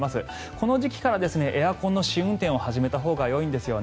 この時期からエアコンの試運転を始めたほうがよいんですよね。